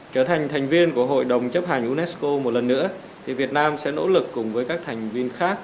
trở thành thành viên của hội đồng chấp hành unesco một lần nữa thì việt nam sẽ nỗ lực cùng với các thành viên khác